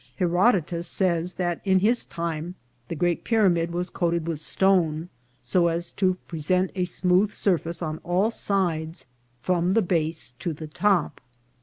Herodotus says that in his time the great pyramid was coated with stone, so as to present a smooth surface on all its sides from the base to the top.